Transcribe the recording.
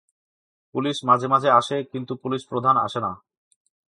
Police মাঝে মাঝে আসে, কিন্তু পুলিশ প্রধান আসে না।